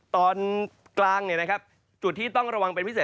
ตอนกลางจุดที่ต้องระวังเป็นพิเศษ